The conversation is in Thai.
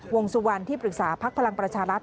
วงสุวรรณที่ปรึกษาพักพลังประชารัฐ